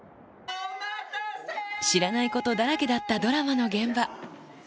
知らないことだらけだったドラマの現場。